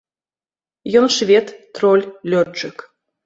Ён швед, троль, лётчык.